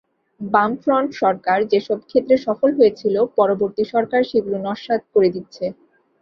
বামফ্রন্ট সরকার যেসব ক্ষেত্রে সফল হয়েছিল, পরবর্তী সরকার সেগুলো নস্যাৎ করে দিচ্ছে।